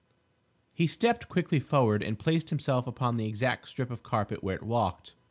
He stepped quickly forward and placed himself upon the exact strip of carpet where it walked.